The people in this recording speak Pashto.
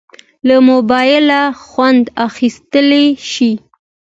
له موبایله خوند اخیستیلی شې.